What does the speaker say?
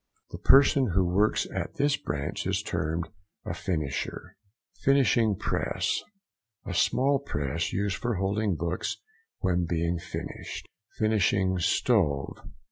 The person who works at this branch is termed a finisher. FINISHING PRESS.—A small press, used for holding books when being finished. FINISHING STOVE.